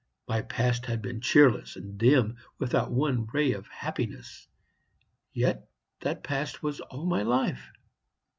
My past had been cheerless and dim, without one ray of happiness; yet that past was all my life!